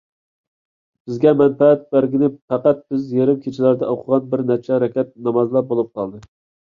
بىزگە مەنپەئەت بەرگىنى پەقەت بىز يېرىم كېچىلەردە ئوقۇغان بىر نەچچە رەكەت نامازلا بولۇپ قالدى.